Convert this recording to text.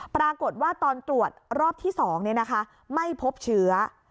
ปรากฏว่าตอนตรวจรอบที่๒ไม่พบเชื้อ